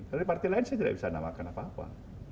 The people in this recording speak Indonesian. karena di partai lain saya tidak bisa menamakan apa apa